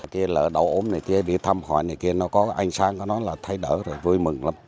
kia là đầu ốm này kia đi thăm họa này kia nó có ánh sáng của nó là thay đỡ rồi vui mừng lắm